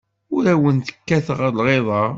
Ur awent-kkateɣ lɣiḍa.